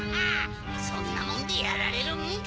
そんなもんでやられるもんか！